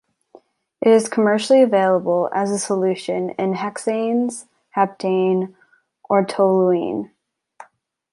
It is commercially available as a solution in hexanes, heptane, or toluene.